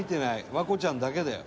環子ちゃんだけだよ」